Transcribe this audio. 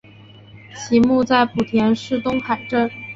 其墓在莆田市东海镇。